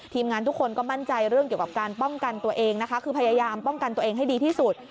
งานทุกคนก็มั่นใจเรื่องเกี่ยวกับการป้องกันตัวเองนะคะคือพยายามป้องกันตัวเองให้ดีที่สุด